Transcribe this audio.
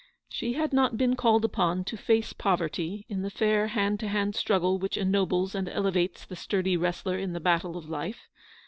She had not been called upon to face poverty in the fair hand to hand struggle which ennobles and elevates the sturdy wrestler in the battle of life.